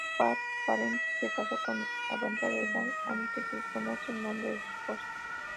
Tar-Palantir se casó con avanzada edad, aunque se desconoce el nombre de su esposa.